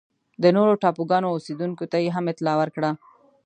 د نورو ټاپوګانو اوسېدونکو ته یې هم اطلاع ورکړه.